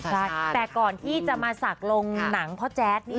แต่ก่อนที่จะมาสักลงหนังพ่อแจ๊ส